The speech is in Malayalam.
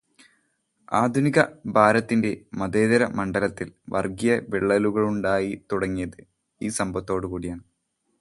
ആധുനികഭാരത്തിന്റെ മതേതരമണ്ഡലത്തില് വര്ഗീയവിള്ളലുകളുണ്ടായിത്തുടങ്ങിയത് ഈ സംഭവത്തോട് കൂടിയാണ്.